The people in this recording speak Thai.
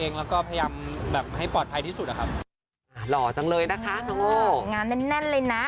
งานแน่นเลยนะ